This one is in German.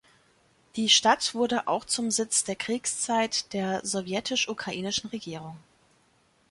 Die Stadt wurde auch zum Sitz der Kriegszeit der sowjetisch-ukrainischen Regierung.